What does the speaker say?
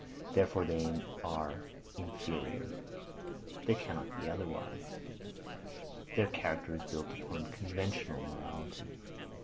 Therefore they are inferior. They cannot be otherwise. Their character is built upon conventional morality.